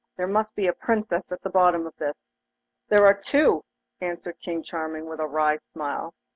There must be a Princess at the bottom of this.' 'There are two!' answered King Charming, with a wry smile.